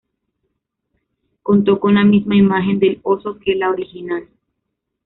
Contó con la misma imagen del oso que la original.